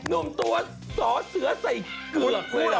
นุ่มตัวสอเสือใส่เกือกเลย